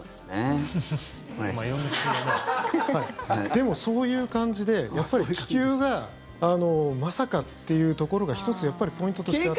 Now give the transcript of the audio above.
でも、そういう感じで気球がまさかっていうところが１つ、やっぱりポイントとしてあって。